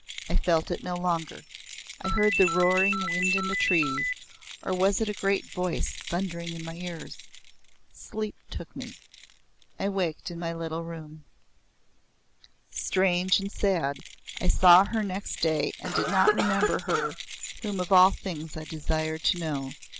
I felt it no longer. I heard the roaring wind in the trees, or was it a great voice thundering in my ears? Sleep took me. I waked in my little room. Strange and sad I saw her next day and did not remember her whom of all things I desired to know.